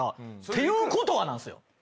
ていうことはなんですよ。